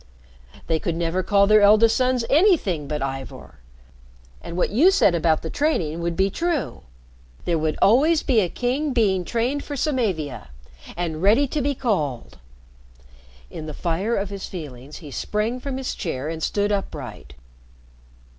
They could never call their eldest sons anything but Ivor. And what you said about the training would be true. There would always be a king being trained for Samavia, and ready to be called." In the fire of his feelings he sprang from his chair and stood upright.